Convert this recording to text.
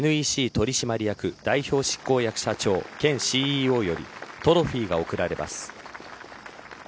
取締役代表執行役社長兼ＣＥＯよりトロフィーが贈られます。